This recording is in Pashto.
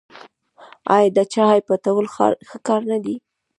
آیا د چا عیب پټول ښه کار نه دی؟